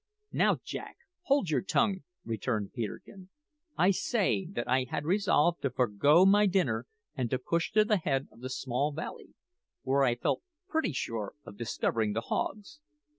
"Now, Jack, hold your tongue," returned Peterkin. "I say that I resolved to forego my dinner and to push to the head of the small valley, where I felt pretty sure of discovering the hogs.